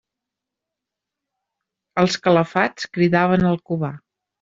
Els calafats cridaven el Cubà.